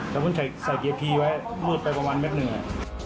แต่ว่าใส่เกียร์พีไว้ลูดไปประมาณแม็ตหนึ่ง